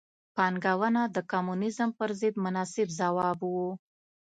پانګونه د کمونیزم پر ضد مناسب ځواب و.